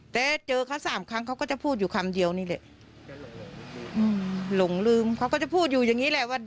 แต่เจอเขาสามครั้งเขาก็จะพูดอยู่คำเดียวนี่แหละหลงลืมเขาก็จะพูดอยู่อย่างงี้แหละว่า